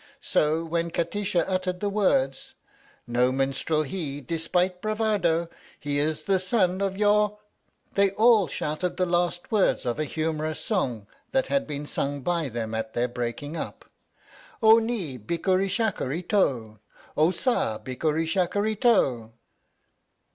So when Kati sha uttered the words: No minstrel he, despite bravado ! He is the son of your 70 THE STORY OF THE MIKADO they all shouted the last words of a humorous song that had been sung by them at their breaking up. O ni! bikkuri shakkuri to! O sa, bikkuri shakkuri to!